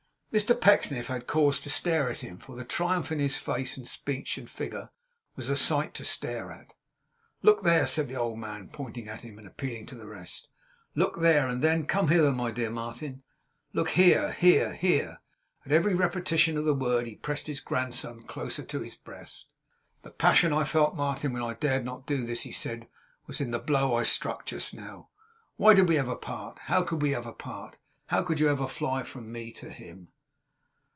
Mr Pecksniff had cause to stare at him, for the triumph in his face and speech and figure was a sight to stare at. 'Look there!' said the old man, pointing at him, and appealing to the rest. 'Look there! And then come hither, my dear Martin look here! here! here!' At every repetition of the word he pressed his grandson closer to his breast. 'The passion I felt, Martin, when I dared not do this,' he said, 'was in the blow I struck just now. Why did we ever part! How could we ever part! How could you ever fly from me to him!